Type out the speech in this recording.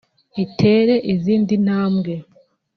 itere izindi ntambwe